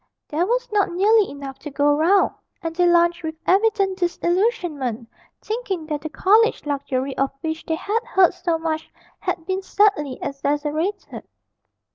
There was not nearly enough to go round, and they lunched with evident disillusionment, thinking that the college luxury of which they had heard so much had been sadly exaggerated.